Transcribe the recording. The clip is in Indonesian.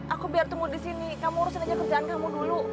aku biar tunggu disini kamu urusin aja kerjaan kamu dulu